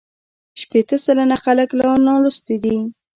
شپېته سلنه خلک لا نالوستي دي.